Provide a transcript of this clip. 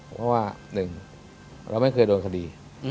เพราะว่า๑เราไม่เคยโดนคดี